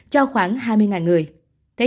cho khoảng hai mươi người